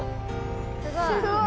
すごい。